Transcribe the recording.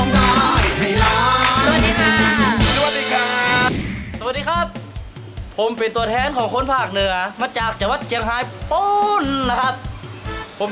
สวัสดีครับผมเป็นตัวแทนของคนผักเหนือมาจากจังหวัดเจียงฮายปลูนนะครับผม